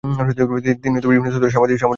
তিনি ইবনে সৌদের সামরিক উপদেষ্টা ছিলেন।